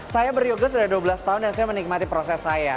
saya beryoga sudah dua belas tahun dan saya menikmati proses saya